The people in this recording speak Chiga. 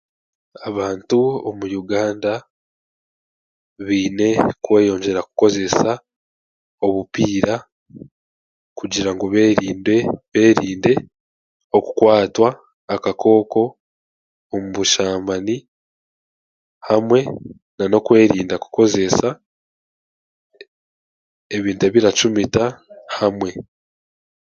Abantu omu Uganda baine kweyongyera kukozesa obupiira kugira ngu beerinde beerinde okukwatwa akakooko omu bushambani hamwe nan'okwerinda kukozesa ebintu ebiracumita hamwe.